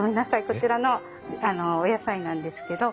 こちらのお野菜なんですけど。